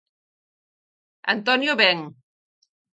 Antonio Ben.